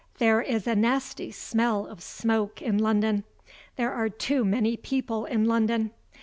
There is a nasty smell of smoke in London. There are too many people in London.